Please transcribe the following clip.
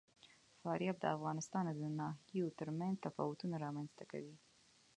فاریاب د افغانستان د ناحیو ترمنځ تفاوتونه رامنځ ته کوي.